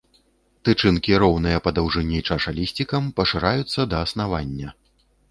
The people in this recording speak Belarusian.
Тычынкі роўныя па даўжыні чашалісцікам, пашыраюцца да аснавання.